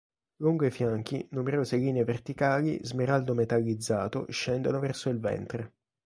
Lungo i fianchi numerose linee verticali smeraldo metallizzato scendono verso il ventre.